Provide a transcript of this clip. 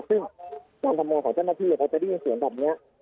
ซึ่งการทำงานของเจ้าหน้าที่เขาจะได้ยินเสียงแบบนี้